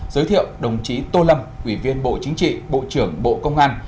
giới thiệu đồng chí tô lâm ủy viên bộ chính trị bộ trưởng bộ công an